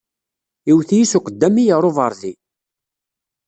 Iwet-iyi s uqeddami ɣer ubeṛdi.